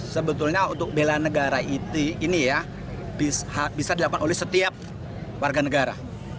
sebetulnya untuk bela negara ini ya bisa dilakukan oleh setiap warga negara